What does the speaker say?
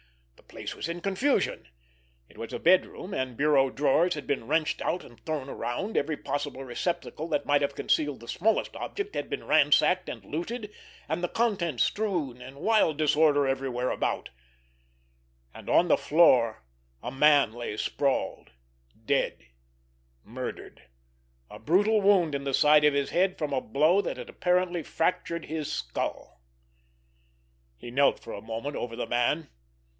The place was in confusion. It was a bedroom, and bureau drawers had been wrenched out and thrown around; every possible receptacle that might have concealed the smallest object had been ransacked and looted, and the contents strewn in wild disorder everywhere about—and on the floor a man lay sprawled, dead, murdered, a brutal wound in the side of his head from a blow that had apparently fractured the skull. He knelt for a moment over the man.